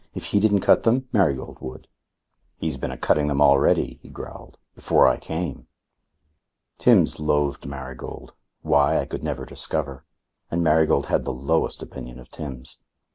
If he didn't cut them, Marigold would. "He's been a cutting them already," he growled. "Before I came." Timbs loathed Marigold why, I could never discover and Marigold had the lowest opinion of Timbs.